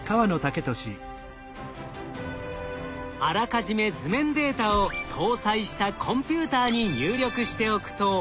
あらかじめ図面データを搭載したコンピューターに入力しておくと。